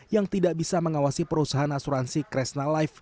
yang tidak bisa mengawasi perusahaan asuransi kresna life